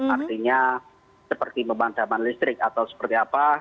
artinya seperti pemadaman listrik atau seperti apa